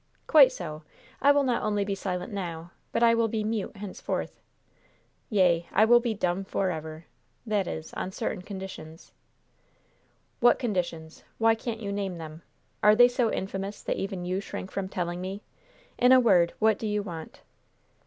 "Quite so. I will not only be silent now, but I will be mute henceforth. Yea, I will be dumb forever! that is, on certain conditions." "What conditions? Why can't you name them? Are they so infamous that even you shrink from telling me? In a word, what do you want?"